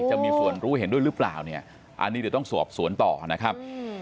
จะมีส่วนรู้เห็นด้วยหรือเปล่าเนี่ยอันนี้เดี๋ยวต้องสอบสวนต่อนะครับ